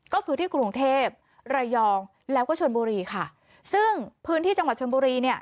ก็คือที่กรุงเทพระยองแล้วก็ชนบุรีค่ะซึ่งพื้นที่จังหวัดชนบุรีเนี่ย